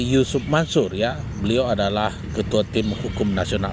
yusuf mansur ya beliau adalah ketua tim hukum nasional